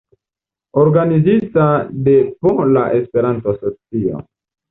Organizita de Pola Esperanto-Asocio.